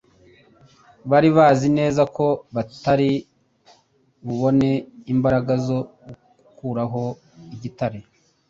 Bari bazi neza ko batari bubone imbaraga zo gukuraho igitare,